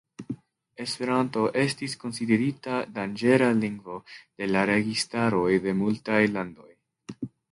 Esperanto estis konsiderita "danĝera lingvo" de la registaroj de multaj landoj.